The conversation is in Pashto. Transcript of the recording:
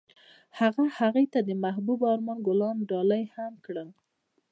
هغه هغې ته د محبوب آرمان ګلان ډالۍ هم کړل.